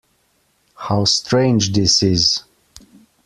How strange this is!